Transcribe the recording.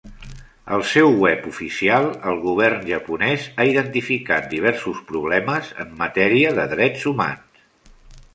Al seu web oficial, el govern japonès ha identificat diversos problemes en matèria de drets humans.